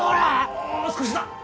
もう少しだ！